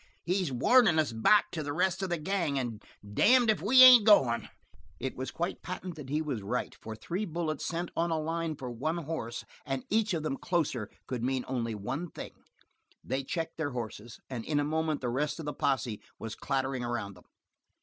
He's warnin' us back to the rest of the gang. And damned if we ain't goin'!" It was quite patent that he was right, for three bullets sent on a line for one horse, and each of them closer, could mean only one thing. They checked their horses, and in a moment the rest of the posse was clattering around them.